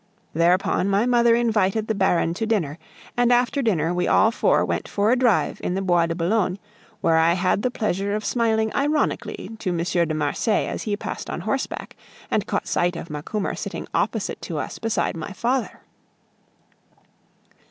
Thereupon my mother invited the Baron to dinner; and after dinner, we all four went for a drive in the Bois de Boulogne, where I had the pleasure of smiling ironically to M. de Marsay as he passed on horseback and caught sight of Macumer sitting opposite to us beside my father.